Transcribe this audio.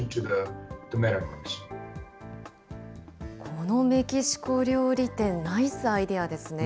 このメキシコ料理店、ナイスアイデアですね。